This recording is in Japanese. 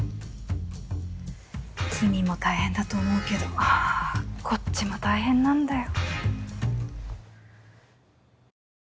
君も大変だと思うけどこっちも大変なんだよ。